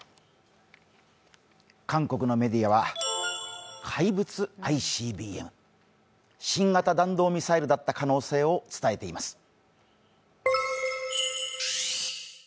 韓国のメディアは怪物ＩＣＢＭ、新型弾道ミサイルだった可能性を伝えています。